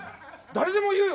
誰でも言うよ。